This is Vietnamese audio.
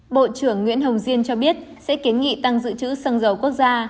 bộ trưởng nguyễn hồng diên cho biết sẽ kiến nghị tăng dự trữ xăng dầu quốc gia